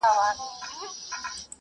پر لړمون مي چړې گرځي زړه مي شين دئ `